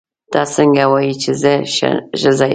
ته څنګه وایې چې زه ښځه یم.